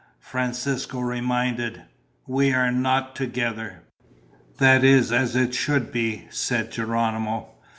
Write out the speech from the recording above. Francisco reminded, "We are not together." "That is as it should be," said Geronimo.